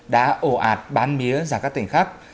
đã ổ ạt bán mía ra các tỉnh khác